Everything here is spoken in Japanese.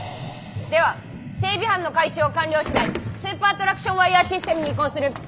では整備班の回収を完了次第スーパートラクションワイヤーシステムに移行する。